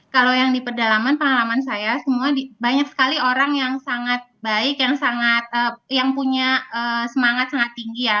kalau yang di pedalaman pengalaman saya semua banyak sekali orang yang sangat baik yang sangat yang punya semangat sangat tinggi ya